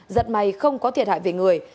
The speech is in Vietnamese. giật may không có thiệt hại về người